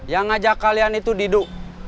yang ngajak kalian itu duduk